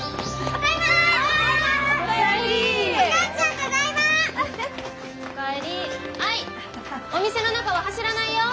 アイお店の中は走らないよ！